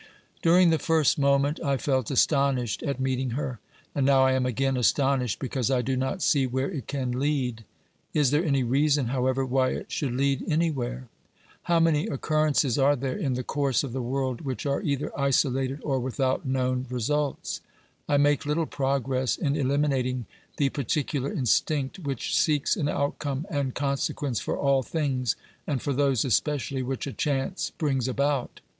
During the first moment I felt astonished at meeting her, and now I am again astonished because I do not see where it can lead. Is there any reason, however, why it should lead anywhere ? How many occurrences are there in the course of the world which are either isolated or with out known results ? I make little progress in eliminating the particular instinct which seeks an outcome and con sequence for all things, and for those especially which a chance brings about.